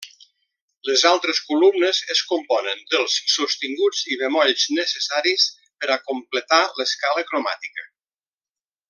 Les altres columnes es componen dels sostinguts i bemolls necessaris per a completar l'escala cromàtica.